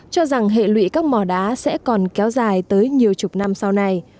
cho rằng hệ lụy các mò đá sẽ còn kéo dài tới nhiều chục năm sau này